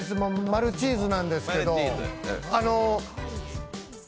マルチーズなんですけど。